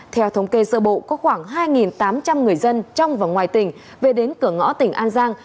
theo thống kê sơ bộ có khoảng hai tám trăm linh người dân trong và ngoài tỉnh về đến cửa ngõ tỉnh an giang